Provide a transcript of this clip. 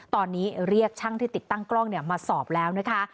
ตอนนี้เรียกช่างที่ติดตั้งกล้องมาสอบแล้วนะคะ